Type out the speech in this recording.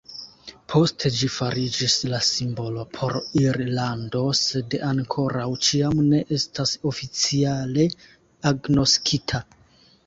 Poste ĝi fariĝis la simbolo por Irlando, sed ankoraŭ ĉiam ne estas oficiale agnoskita.